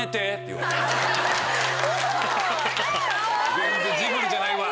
全然ジブリじゃないわ。